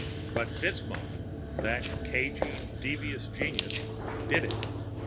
But FitzMaugham, that cagy, devious genius, did it.